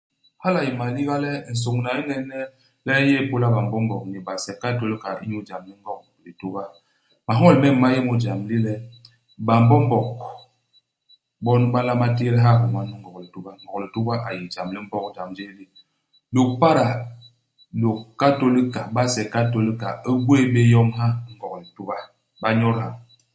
Hala a yé maliga le nsôñna u n'nene le u yé ipôla BaMbombog ni base i Katôlika inyu jam li Ngog-Lituba. Mahoñol mem ma yé mu ijam li le BaMbombog bon ba nlama tééda ha ihoma nu i Ngog-Lituba. Ngog-Lituba a yé jam li Mbog, jam hés li. Lôg-Pada, Lôk Katôlika, base i Katôlika i gwéé bé yom ha i Ngog-Lituba. Ba nyodi ha.